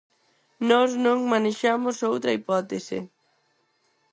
Nós non manexamos outra hipótese.